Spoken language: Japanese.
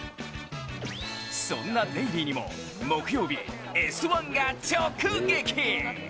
そんなデイリーにも木曜日、「Ｓ☆１」が直撃。